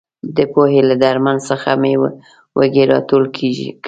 د پوهې له درمن څخه مې وږي راټول کړي.